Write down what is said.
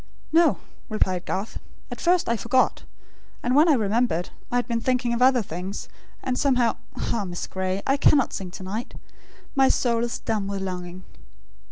"No," replied Garth. "At first, I forgot. And when I remembered, I had been thinking of other things, and somehow ah, Miss Gray! I cannot sing to night. My soul is dumb with longing."